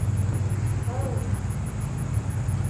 Һыу!